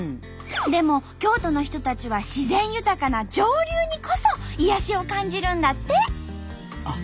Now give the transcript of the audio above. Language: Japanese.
でも京都の人たちは自然豊かな上流にこそ癒やしを感じるんだって。